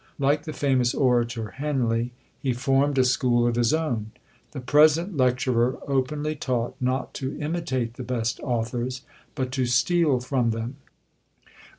Like the famous orator, Henley, he formed a school of his own. The present lecturer openly taught not to imitate the best authors, but to steal from them!